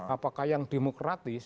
apakah yang demokratis